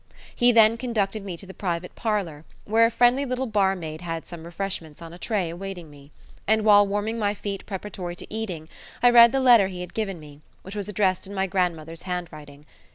He then conducted me to the private parlour, where a friendly little barmaid had some refreshments on a tray awaiting me, and while warming my feet preparatory to eating I read the letter he had given me, which was addressed in my grandmother's handwriting.